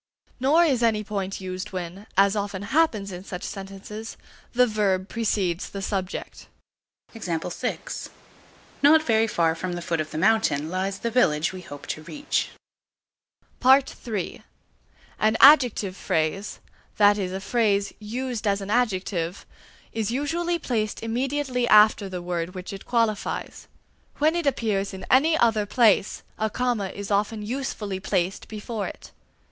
Nor is any point used when, as often happens in such sentences, the verb precedes the subject. Not very far from the foot of the mountain lies the village we hope to reach. (3) An adjective phrase, that is a phrase used as an adjective, is usually placed immediately after the word which it qualifies; when it appears in any other place, a comma is often usefully placed before it.